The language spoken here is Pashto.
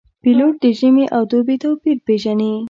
پیلوټ د ژمي او دوبي توپیر پېژني.